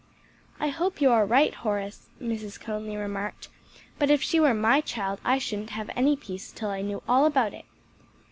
'" "I hope you are right, Horace," Mrs. Conly remarked, "but if she were my child I shouldn't have any peace till I knew all about it."